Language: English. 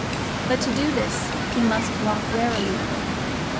But to do this, he must walk warily.